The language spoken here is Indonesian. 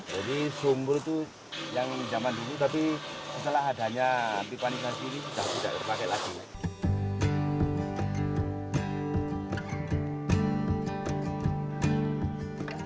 jadi sumur itu yang zaman dulu tapi masalah adanya pipanikasi ini sudah tidak dipakai lagi